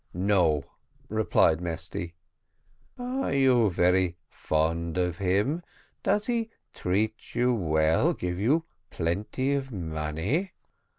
"No," replied Mesty. "Are you very fond of him? does he treat you well, give you plenty of money?"